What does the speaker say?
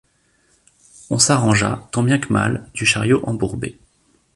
On s’arrangea tant bien que mal du chariot embourbé.